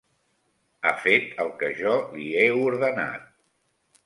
Ha fet el que jo li he ordenat.